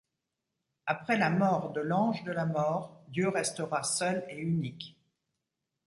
Après la mort de l'ange de la Mort, Dieu restera seul et unique.